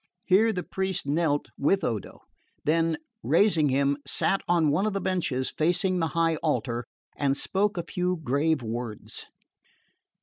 Here the priest knelt with Odo; then, raising him, sat on one of the benches facing the high altar, and spoke a few grave words.